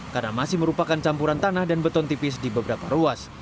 karena masih merupakan campuran tanah dan beton tipis di beberapa ruas